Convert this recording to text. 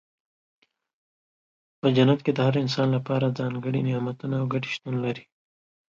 په جنت کې د هر انسان لپاره ځانګړي نعمتونه او ګټې شتون لري.